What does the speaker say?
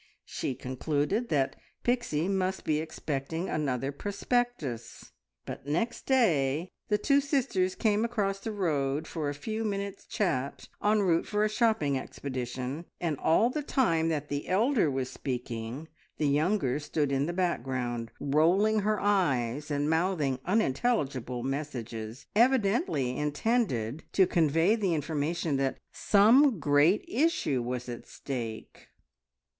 She concluded that Pixie must be expecting another prospectus, but next day the two sisters came across the road for a few minutes' chat en route for a shopping expedition, and all the time that the elder was speaking, the younger stood in the background, rolling her eyes and mouthing unintelligible messages, evidently intended to convey the information that some great issue was at stake.